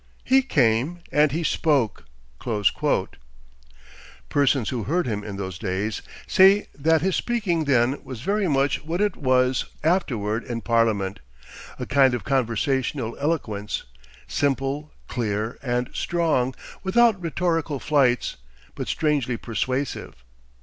He came and he spoke." Persons who heard him in those days say that his speaking then was very much what it was afterward in Parliament a kind of conversational eloquence, simple, clear, and strong, without rhetorical flights, but strangely persuasive.